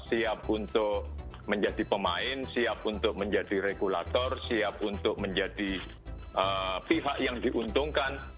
siap untuk menjadi pemain siap untuk menjadi regulator siap untuk menjadi pihak yang diuntungkan